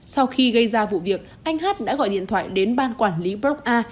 sau khi gây ra vụ việc anh hát đã gọi điện thoại đến ban quản lý broc a